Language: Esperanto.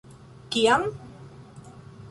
- Kiam?